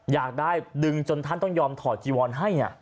อยากได้ดึงจนท่านต้องยอมถอดจีวอนให้